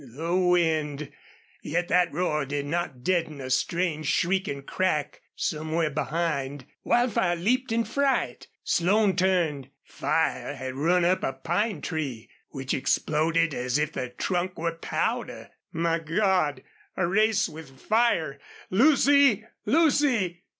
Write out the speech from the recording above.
the wind! Yet that roar did not deaden a strange, shrieking crack somewhere behind. Wildfire leaped in fright. Slone turned. Fire had run up a pine tree, which exploded as if the trunk were powder! "MY GOD! A RACE WITH FIRE! ... LUCY! LUCY!"